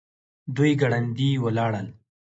دوی ګړندي ولاړل.